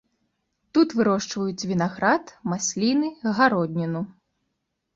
Тут вырошчваюць вінаград, масліны, гародніну.